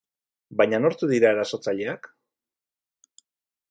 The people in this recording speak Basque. Baina nortzuk dira erasotzaileak?